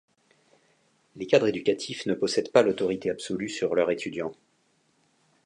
Les cadres éducatifs ne possèdent pas l'autorité absolue sur leur étudiants.